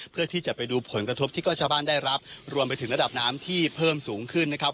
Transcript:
เพื่อที่จะไปดูผลกระทบที่ก็ชาวบ้านได้รับรวมไปถึงระดับน้ำที่เพิ่มสูงขึ้นนะครับ